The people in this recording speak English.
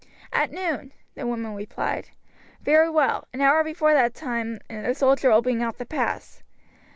"At noon," the woman replied. "Very well; an hour before that time a soldier will bring out the pass.